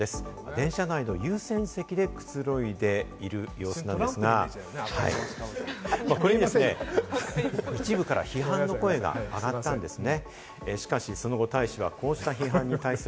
電車内の優先席でくつろいでいる様子なんですが、これにですね、一部からは批判の声があがったんですね。